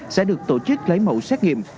sẽ được tổ chức lấy mẫu xét nghiệm